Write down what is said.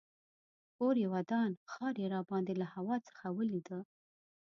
کور یې ودان ښار یې راباندې له هوا څخه ولیده.